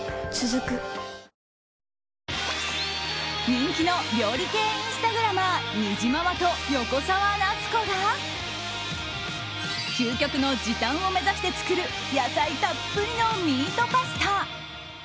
人気の料理インスタグラマーにじままと横澤夏子が究極の時短を目指して作る野菜たっぷりのミートパスタ。